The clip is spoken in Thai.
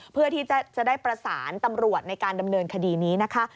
เพื่อที่จะได้ประสานตำรวจในการดำเนินคดีนี้นะคะ